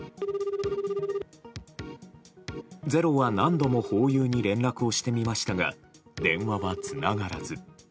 「ｚｅｒｏ」は何度もホーユーに連絡をしてみましたが電話はつながらず。